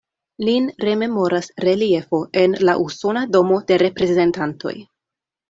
Lin rememoras reliefo en la Usona Domo de Reprezentantoj.